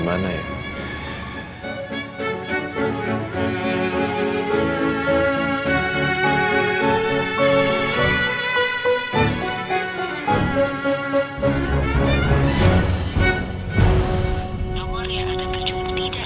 nomor yang akan tercungguh tidak akan berhenti